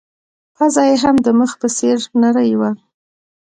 پزه يې هم د مخ په څېر نرۍ وه.